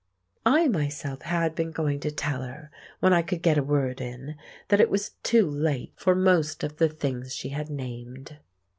I myself had been going to tell her, when I could get a word in, that it was too late for most of the things she had named.